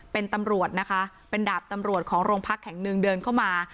เป็นตำรวจนะคะเป็นดาบตำรวจของโรงพักแห่งหนึ่งเดินเข้ามา